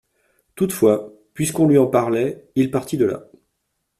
Toutefois, puisqu'on lui en parlait, il partit de là.